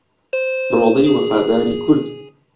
ڕۆڵەی وەفاداری کورد